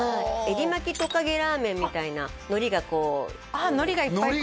エリマキトカゲラーメンみたいなのりがこうのりがいっぱい